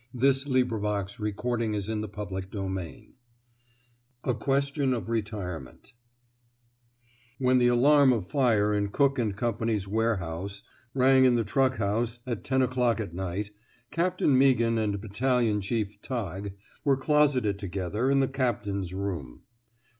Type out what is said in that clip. He's going to join the police/' 221 vin A QUESTION OP BETIBEMBNT WHEN the alarm of fire in Cook & Go's warehouse rang in the truck house at ten o'clock at night, Captain Meaghan and Battalion Chief Tighe were closeted together in the captain's room.